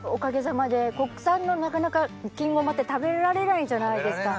国産のなかなか金ごまって食べられないじゃないですか。